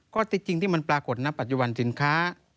ที่จริงที่มันปรากฏณปัจจุบันสินค้า